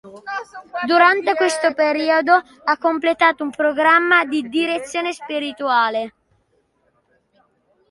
Durante questo periodo ha completato un programma di direzione spirituale.